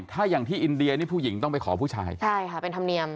ถ้าอย่างที่อินเดียนี่ผู้หญิงต้องไปขอผู้ชายใช่ค่ะเป็นธรรมเนียม